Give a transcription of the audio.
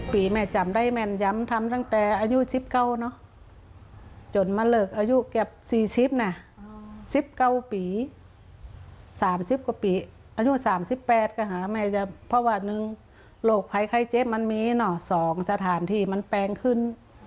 การจัดระเบียบมันมี๒สถานที่มันแปลงขึ้น